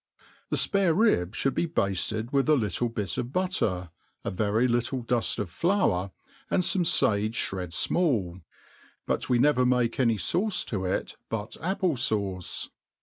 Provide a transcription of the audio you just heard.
The fparer^b (boiild . be bafted with a little bit of butter, a very little duft of Bour, and fome fa|^e ihred fmall : biit we never make any fauce to it^ but apple fauce.